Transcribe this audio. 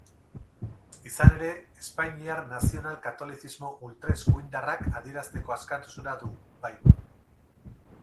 Izan ere, espainiar nazional-katolizismo ultraeskuindarrak adierazteko askatasuna du, bai.